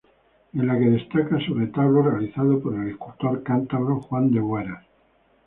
En la que destaca su retablo, realizado por el escultor cántabro Juan de Bueras.